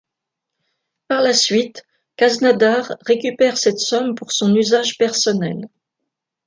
Par la suite, Khaznadar récupère cette somme pour son usage personnel.